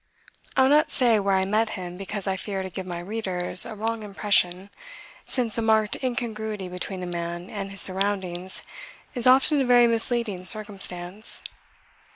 I will not say where I met him because I fear to give my readers a wrong impression, since a marked incongruity between a man and his surroundings is often a very misleading circumstance.